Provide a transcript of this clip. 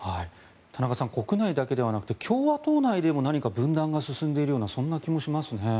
田中さん国内だけではなくて共和党内でも何か分断が進んでいるような気もしますね。